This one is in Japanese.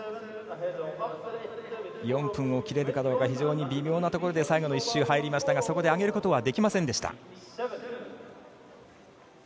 ４分を切れるかどうか非常に微妙なところで最後の１周入りましたがそこで上げることはできませんでした。